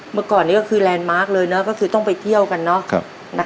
เมื่อก่อนนี้ก็คือแลนด์มาร์คเลยเนอะก็คือต้องไปเที่ยวกันเนอะ